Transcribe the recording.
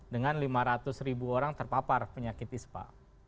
dengan lima ratus ribu orang terpapar penyakit ispa